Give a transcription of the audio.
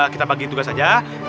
kita bagi tugas aja